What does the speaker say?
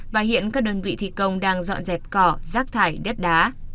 và hiện các đơn vị thi công đang dọn dẹp cỏ rác thải đất đá